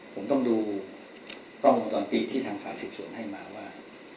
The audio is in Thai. ผมต้องดูปร่องกันตอนปีที่ทางฝาศิษย์ศูนย์ให้มาว่า